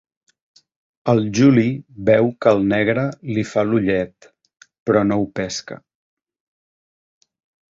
El Juli veu que el negre li fa l'ullet, però no ho pesca.